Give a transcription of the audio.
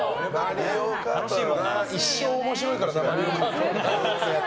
一生面白いからな。